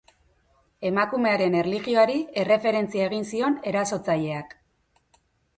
Emakumearen erlijioari erreferentzia egin zion erasotzaileak.